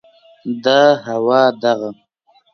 دا هوا، دغه